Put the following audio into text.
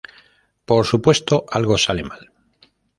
Por supuesto, algo sale mal.